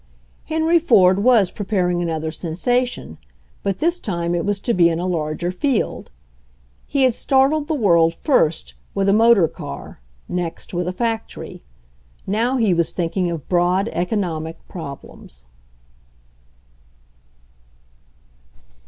Henry Ford was preparing another sensation, but this time it was to be in a larger field. He had startled the world, first, with a motor car, next with a factory. Now he was thinking of broad economic problems.